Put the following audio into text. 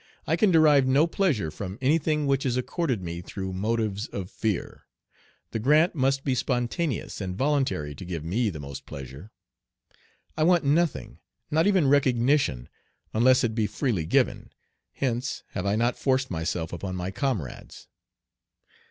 I can derive no pleasure from any thing which is accorded me through motives of fear. The grant must be spontaneous and voluntary to give me the most pleasure. I want nothing, not even recognition, unless it be freely given, hence have I not forced myself upon my comrades.